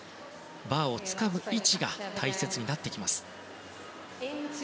バーをつかむ位置が大切になってきます。